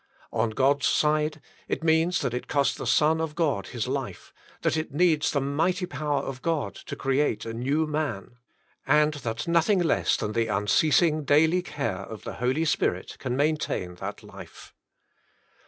On God's side, it means that it cost the Son of God His life, that it needs the mighty power of God to new create a man, and that nothing less than the unceasing daily care of the Holy Spirit can maintain that life.